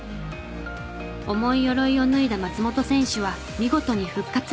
重い鎧を脱いだ松元選手は見事に復活。